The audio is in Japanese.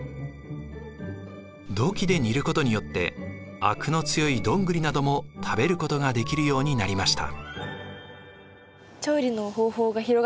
土器で煮ることによってあくの強いドングリなども食べることができるようになりました。